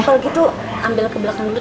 kalau gitu ambil ke belakang dulu